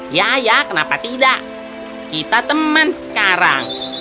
ya ya kenapa tidak kita teman sekarang